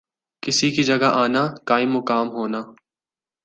کسی کی جگہ آنا، قائم مقام ہونا